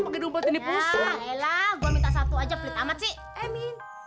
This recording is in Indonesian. pakai dompet ini pusing lah gua minta satu aja beritamati